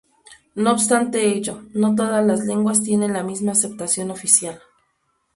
No obstante ello, no todas las lenguas tienen la misma aceptación oficial.